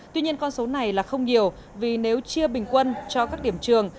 tuy nhiên con số này là không nhiều vì nếu chia bình quân cho các điểm trường